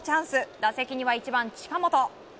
打席には１番・近本。